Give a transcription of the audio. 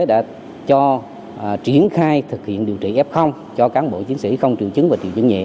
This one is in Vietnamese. đã cho triển khai thực hiện điều trị f cho cán bộ chiến sĩ không triều chứng và triều chứng nhiệm